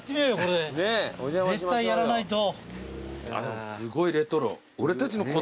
でもすごいレトロ。